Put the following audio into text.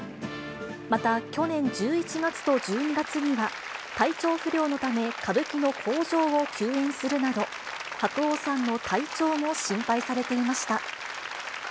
また去年１１月と１２月には、体調不良のため、歌舞伎の口上を休演するなど、白鸚さんの体調も心配されていました。